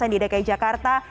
di dki jakarta